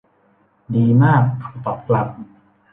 ดีมาก เขาตอบกลับ